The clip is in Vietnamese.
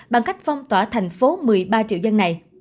bằng cách phong tỏa thành phố một mươi ba triệu dân này